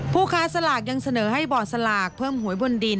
ผู้ค้าสลากยังเสนอให้บ่อสลากเพิ่มหวยบนดิน